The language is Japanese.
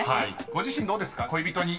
［ご自身どうですか？］